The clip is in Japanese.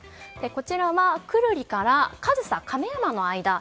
こちらは久留里から上総亀山の間。